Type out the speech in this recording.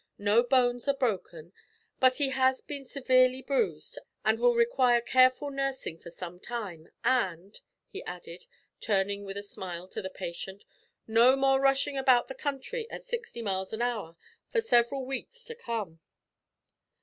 No bones are broken, but he has been severely bruised, and will require careful nursing for some time and," he added, turning with a smile to the patient, "no more rushing about the country at sixty miles an hour for several weeks to come."